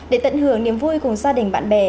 để tận hưởng niềm vui cùng gia đình bạn bè